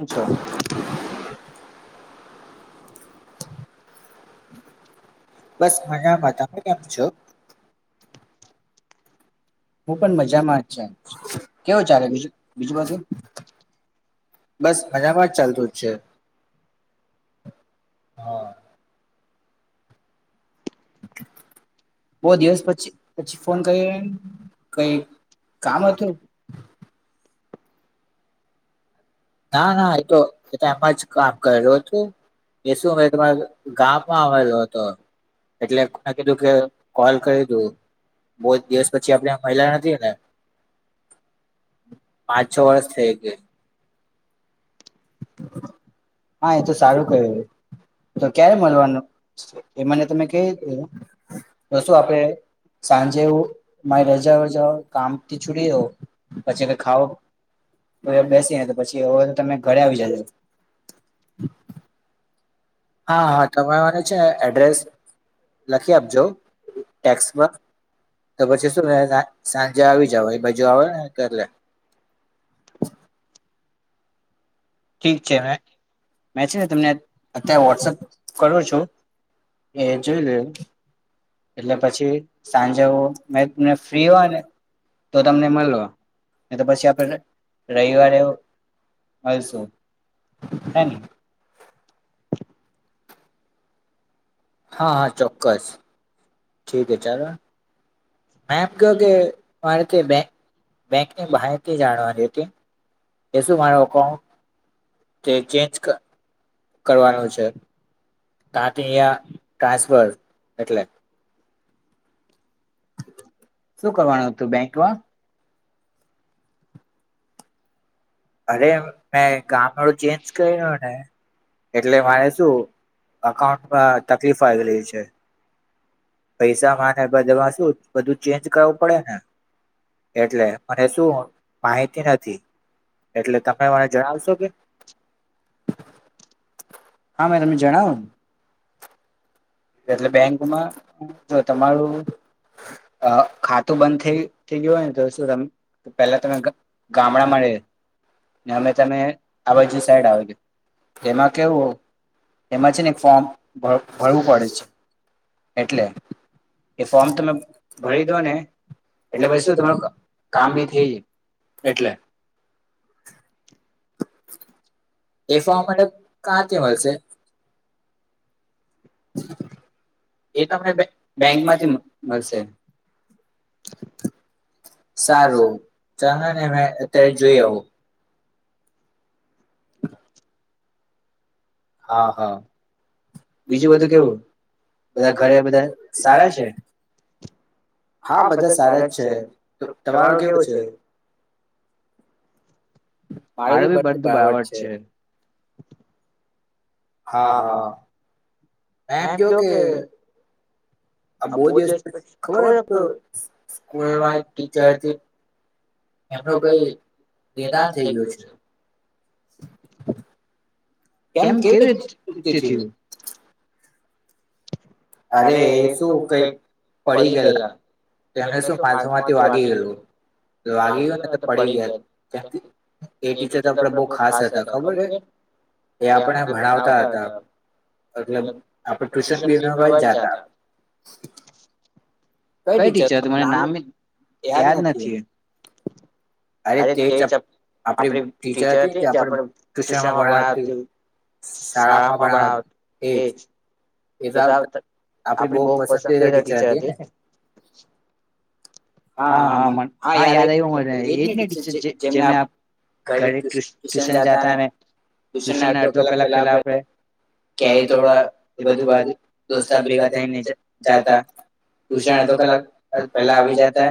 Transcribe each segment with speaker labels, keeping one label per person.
Speaker 1: અચ્છા.
Speaker 2: બસ મજા બધા તમે કેમ છો. હું પણ મજામાં છે કેવો ચાલે બીજું બીજું બધું. બસ મજામાં જ ચાલતું જ છે.
Speaker 1: બહુ દિવસ પછી પછી ફોન કર્યો એ કઈ કામ હતું.
Speaker 2: ના ના એ તો એ તો એમાં જ કામ કર્યું હતું. એ શું અ તમારે ગામાં આવેલો હતો. એટલે કીધું કે કોલ કરી દું. બહુ જ દિવસ પછી આપણે મળ્યા નથી ને. પાંચ છ વર્ષ થઈ ગય. હા એ તો સારું કરું. તો ક્યારે મળવાનું એ મને તમે કયું કે તો શું આપે. સાંજે હું મારી રજા વજા કામથી છૂડી જવ પછી ખાવ. હવે બેસી ને તો પછી હવે તમે.
Speaker 1: ઘરે આવી જાજો.
Speaker 2: હા હા તમે મને છે એડ્રેસ લખી આપજો ટેક્સમાં. તો પછી શું સાંજે આવી જાવ એ બાજુ આવે ને એટલે.
Speaker 1: ઠીક છે મેં છે ને તમને અત્યારે વોટ્સઅપ કરું છું. એ જોઈ લે.
Speaker 2: એટલે પછી સાંજે હું ફ્રી હોને. તો તમને પછી આપડ રવિવારે. હસો હ. હા હા ચોક્કસ ઠીકે ચાલો. મે એમ કયો કે મારે ત્યાં બેંક. બેંકની માહિતી જાણવાની હતી એ શું મારો એકાઉન્ટ.
Speaker 1: તે ચેન્જ કરવાનું છે. ક અહં ટ્રાન્સફર એટલે. શું કરવાનું હતું બેંકમાં.
Speaker 2: અરે મેં ગામડું ચેન્જ કર્યો ને. એટલે મારે શું અકાઉન્ટમાં તકલીફ આવી રહી છે. પૈસા માં ને બધામાં શું બધું ચેન્જ કરવું પડે ને. એટલે મને શું માહિતી નથી. એટલે તમે મને જણાવશો કે.
Speaker 1: હા મેં તમે જણાવા. એટલે બેંકમાં જો તમારું. અ ખાતું બંધ થઈ થઈ ગયું હોય ને તો શું તમે પેલા તમે ગામડામા રે. અમે તમે આ બાજ સાઈડ આવે ગ તેમાં કેવું. એમાં છે ને એક ફોર્મ ભરવું પડે છે એટલે. એ ફોર્મ તમે ભરી દો ને. એટલે પછી શું તમાર કામ બી થઈ જ એટલે.
Speaker 2: એ ફોર્મ મને કા થી મળશે. [inaudible] એ તમને બેંક માંથી મળશે. સારું ચણ ને મેં અત્યારે જોઈ આવું. [unintelligible]
Speaker 1: હા હા. બીજું બધું કેવું બધા ઘરે બધા સારા છે.
Speaker 2: હા બધા સારા જ છે તમારું કેવું છે. મારું બી બધુ બરાબર છે. હા હા મે એમ કેવ કે
Speaker 1: આ બહુ દિવસ પછી ખબરલમાં એક ટીચરથી મે તો કઈ એરાન થઈ ગયું છે. કેમ કેવીથીયુ
Speaker 2: અરે શું કઈ પડી ગયેલા એમણે શું માસોમાંથી વાગી ગયેલું વાગી ગયું ને તો પડી ગયા એ ટીચર તો આપડે બહ ખાસ હતા ખબર કે. એ આપણે ભણાવતા હતા એતલબ આપણે ટ્યુશન પી જાતા
Speaker 1: કઈ ટીચર તો મને નામ યાદ નથી
Speaker 2: અરે તે આપડી ટીચર હતી જે આપણે ટ્યુશનમાં ભણ શાળામાં પણ એજ
Speaker 1: એ તો આપડી બહ પસંદી ટીચર હતી ને.
Speaker 2: હા હા હા યાદ એજ નહીચ જેમને ઘરે ટ્યુશન જાતા ને ટ્યુશનો કલાક પેલા આપ કય થડા બધું બા દોસ્તા ભેગા થને ચાતા ટ્યુશન તો કક પેલા આવી જતા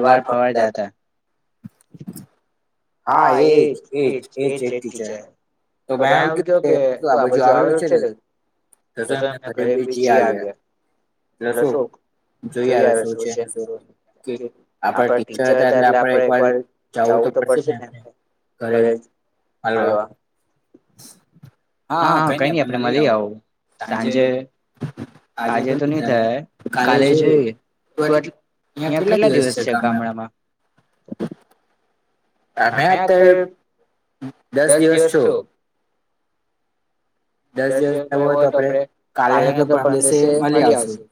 Speaker 2: બાર ફ હા એજ એજ એ જ એક ટીચર તો ભું આ બાજુ આવેલું છે ને
Speaker 1: સ એને ઘરે બીજી આવ્યા રસોક જોઈ હવે શું છે શું આપડા ટીચર હતા એટલે આપડે એક વાર જવું તો પડશે જ ને ઘરે મલવા હા હા કઈ નઈ આપડે મળી આવું સાંજે આજે તો નઈ થાય કાલે જોઈ તોટ અહિયાં કેટલા દિવસ છે ગામડામાં?
Speaker 2: અમે અત્યારે દસ દિવસ છું.
Speaker 1: દસ દિવસમાં એવું હોય તો આપડે કાલેને તો પરમ દિવસે શમળી આવશે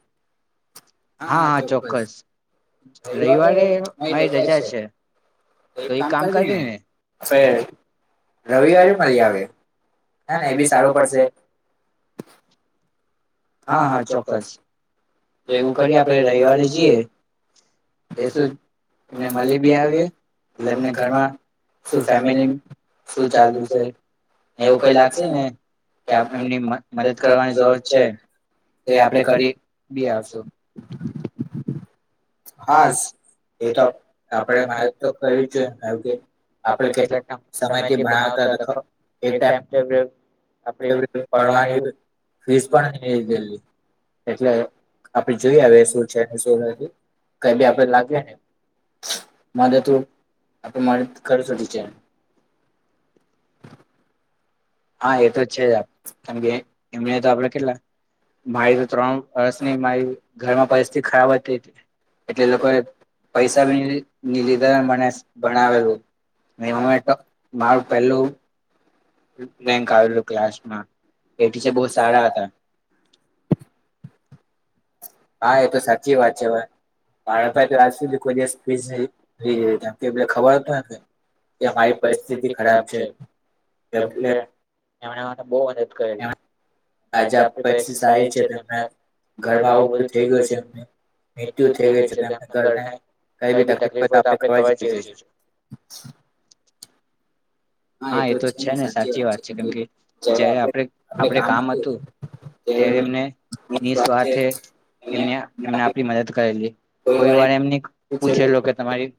Speaker 1: હા હા ચોક્કસ
Speaker 2: રવિવારે મારી રજા છે. એક કામ કરી દે ને રવિવારે ફરી આવે હ ના એ બી સારું પડશે
Speaker 1: હા હા ચોક્કસ એવું કરીએ આપણે રવિવારે જઈએ એ શું એમને મળી બી આવી એટલે એમને ઘરમાં શું ફેમિલી શું ચાલતુ છે. એવું કઈ લાગશે ને કે એમની મદદ કરવાની જરૂર છે.
Speaker 2: તે આપણે કરી હા એ તો આપણે મારે તો ક્યું જ જોઈએ કે આપડ કે સમયથી ભણાવતાખ
Speaker 1: આપડી પડવાની ફીસ પણલી એટલે આપણે જોઈ હ શું છે એટલે શું કઈ બી આપે લાગએ ને મદદરૂપ આપ મદદ કરશધ છે. હા એ તો જ છે જ આપ કેમ કે એમને તો આપડ કેટલા મારી તો ત્રણ વર્ષની મારી ઘરમાં પરિસ્થિતિ ખરાબ હતી હતી એટલે લોકોએ પૈસા ભી લીધા મને ભણાવેલું ન મ તો માર પેલું
Speaker 2: કક આવે ત બહ સારા હતા હા એ તો સાચી વાત છે હય ભાર ભ તો આજ સુધી કોઈ દિવસ કે એ ખબર હત ને કે અમારી પરિસ્થિતિ ખરાબ છે.
Speaker 1: એટલે એમના બહુ વધ
Speaker 2: જ પૈ સારી છેમને ગરબા થઈ ગયો છે એમ મૃત્યુ થઈ ગયું છેને ઘર કઈ બી તકલીફ હોય તો આપણે ખબર જ [unintelligible]
Speaker 1: હા એ તો છે ને સાચી વાત છે કેમ કે જયારે આપણે આપડ કામ હતું ત્યારે એમને
Speaker 2: [inaudible]
Speaker 1: એમને એમને આપલી મદદ કરેલી કોઈ વાર એમને પૂછેલો કે તમારી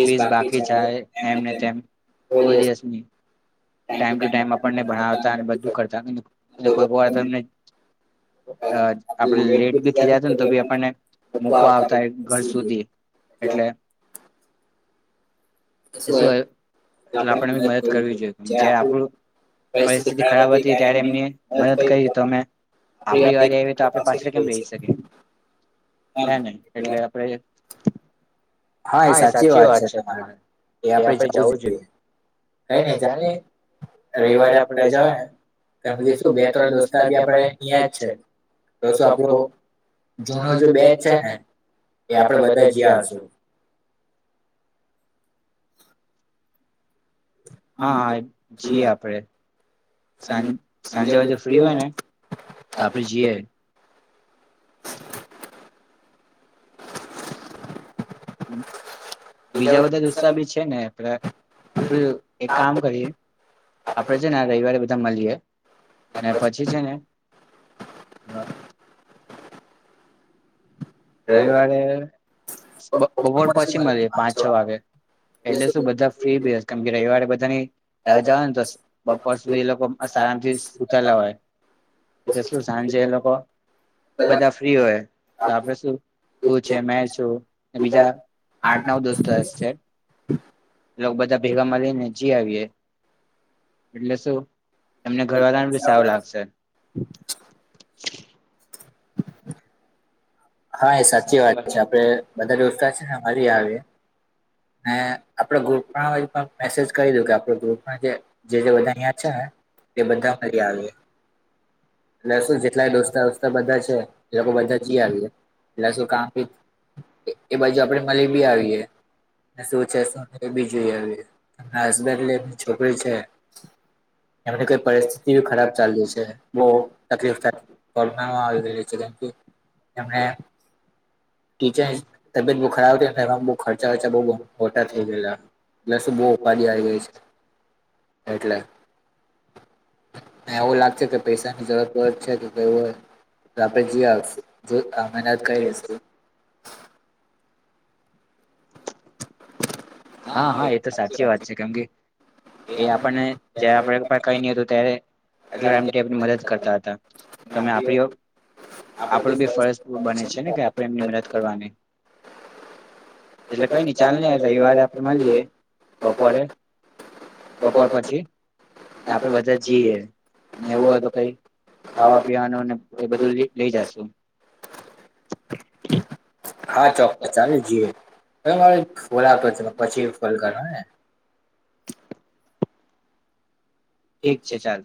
Speaker 1: ફીસ બાકી છેાય એમને તેમ કોઈ દયસ ન ટાઈમ ટુ ટાઈમ આપણને ભણાવતા અને બધું કરતા કોઈ તેમને અ આપડે લેટ બી થઈ રહ્યા હતા ને તો બી આપણને મકવા આવતા ઘર સુધી એટલે શું એટલે આપણે બી મદદ કરવી જોઈએ જ આપણું પરિસ્થિતિ ખરાબ હતી ત્યારે એમની મદદ કરી તો અમે આપણી વાજે આવીએ તો આપડણે પાછળ કેમ રહી શકીએ હે નહ એટલે આપડે
Speaker 2: હા એ સાચી વાત છે તમારે એ આપડણે જવું જોઈએ
Speaker 1: કઈ નહી ચાલ ને રવિવારે આપડે રજાવાય શું બે ત્રણ દોસ્ત બી આપડે અહં જ છે. તો શ આપણો જૂનો જે બેચ છે ને એ આપડે બધા જયાશું હા હા જીએ આપણેે સાં સાંજે વાજે ફ્રી હોય ને તો આપડે જઈએ બીજા બધા ગુસ્સા બી છે ને આપડું એક કામ કરીએ આપડે છે ને રવિવારે બધા મળીએ પછી છે ને રવિવારે બપોર પછી મળી પાંચ છ વાગે એટલે શું બધા ફ્રી બી હશે કેમ કે રવિવારે બધાની રાહ જા હો ને તો બપોર સુધી એ લોકો બસ આરામથી સુતાલા હોય. એલે શું સાંજે એ લોકો બધા ફ્રી હોય તો આપણે શું છે મેં છું બીજા આઠ નવ દોસ્ત છે. લોકો બધા ભેગા મળી ને જી આવીએ એટલે શું એમને ઘર વાલાને બી સારું લાગશે
Speaker 2: હા એ સાચી વાત છે આપડે બધા દોસ્તા છેરી આવી ને આપણે ગ્રુપમાં મેસેજ કરી દ કે આપ ગુપ બધા અહીંયા છે ને એ બધા ફરી આવીએ અને શું જેટલા દોસ્તા વોસ્તા બધા છે એ લોકો બધા જી આવીએ એટલા શું કામ એ બાજુ આપડે મળી બી આવીએ શું છે શું બીજું હબન્ છોકરી છે. એમની કઈ પરિસ્થિતિ ખરાબ ચાલલી છે બહ તકલીફ થ કોર આવે છે એમને ટીચર તબયત બહુ ખરાબ થ બ ખર્ચા વર્ચા બઉ મોટા થઇ ગયેલા એટલે શું બહુ ઉપાડી આવી ગઈ છે.
Speaker 1: [unintelligible]
Speaker 2: એટલે એવું લાગશે કે પૈસાની જરૂર પ જ છે કે કયું હોય આપડે જી આપશું જો મનત કઈ દશે
Speaker 1: હા હા એ તો સાચી વાત છે કેમ કિ એ આપણને જયારે આપડ કઈ ન હતું ત્યારે એટલે એમની મદદ કરતા હતા તમે આપ ઓ આપણ બી ફરજ બને છે ને કે આપણે એમની મદદ કરવાની. એટલે કઈ નઈ ચાલ ની આ રવિવારે આપડે મળીએે બપોરે. બપોર પછી ને આપડે બધા જ જઈએ એવું હોય તો કઈ ખાવા પીવા [unintelligible] ને એ બધું લઈ જશુ.
Speaker 2: હા ચોક્કસ ચાલે જીએ મારો ફોલતો છે પછી ફોલ કરવા ને.
Speaker 1: ઠીક છે ચાલ.